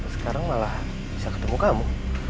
sekarang malah bisa ketemu kamu